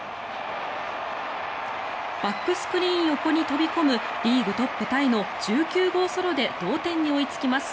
バックスクリーン横に飛び込むリーグトップタイの１９号ソロで同点に追いつきます。